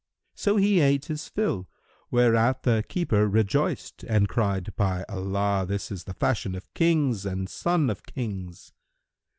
So he ate his fill, whereat the keeper rejoiced and cried, "By Allah, this is the fashion of Kings and sons of Kings!"